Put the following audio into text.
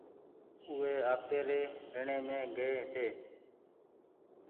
او وي آپيري ريڻي مينٚ گئي هيتي